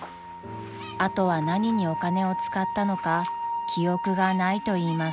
［あとは何にお金を使ったのか記憶がないといいます］